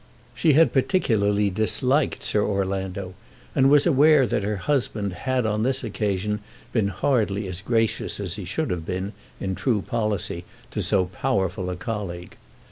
She had particularly disliked Sir Orlando, and was aware that her husband had on this occasion been hardly as gracious as he should have been, in true policy, to so powerful a colleague.